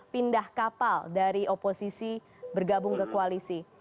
pindah kapal dari oposisi bergabung ke koalisi